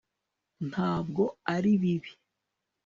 ntabwo ari bibi